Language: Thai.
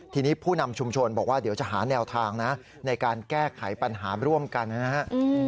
ทีนี้ผู้นำชุมชนบอกว่าเดี๋ยวจะหาแนวทางนะในการแก้ไขปัญหาร่วมกันนะครับ